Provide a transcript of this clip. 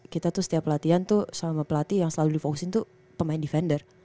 kita tuh setiap latihan tuh sama pelatih yang selalu di fokusin tuh pemain defender